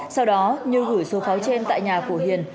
sau đó như gửi số pháo trên tại nhà của hiền